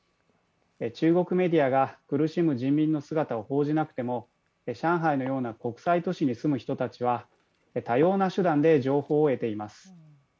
中国メディアが苦しむ人民の姿を報じなくても、上海のような国際都市に住む人たちは多様な手段で情報を得ています。